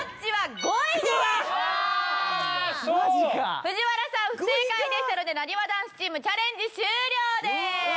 藤原さん不正解でしたのでなにわ男子チームチャレンジ終了です。